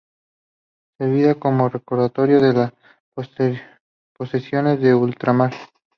Servida como recordatorio de las posesiones de ultramar.